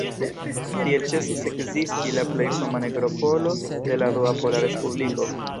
Tiel ĉesis ekzisti la plej fama nekropolo de la Dua Pola Respubliko.